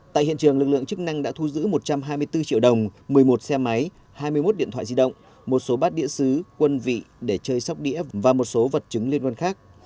tại hiện trường lực lượng chức năng đã thu giữ một trăm hai mươi bốn triệu đồng một mươi một xe máy hai mươi một điện thoại di động một số bát đĩa xứ quân vị để chơi sóc đĩa và một số vật chứng liên quan khác